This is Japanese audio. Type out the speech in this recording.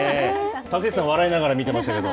竹内さん、笑いながら見てましたけど。